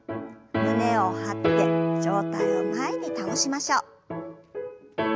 胸を張って上体を前に倒しましょう。